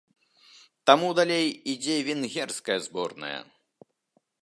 Таму далей ідзе венгерская зборная.